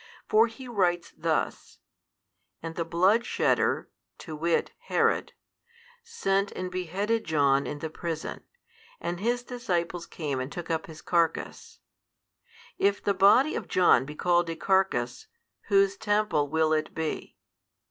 For he writes thus; And the blood shedder to wit, Herod, sent and beheaded John in the prison, and his disciples came and took up his carcase 6. If the body of John be called a carcase, whose temple will it be?